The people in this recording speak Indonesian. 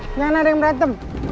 jangan ada yang merantem